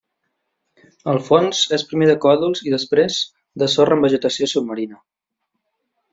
El fons és primer de còdols i després de sorra amb vegetació submarina.